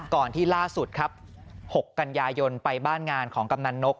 ที่ล่าสุดครับ๖กันยายนไปบ้านงานของกำนันนก